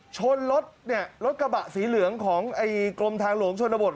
ชนรถเนี่ยรถกระบะสีเหลืองของไอ้กรมทางหลวงชนบท